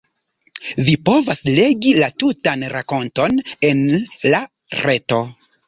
Vi povas legi la tutan rakonton en la reto.